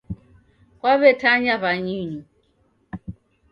Kwaw'etanya w'anyinyu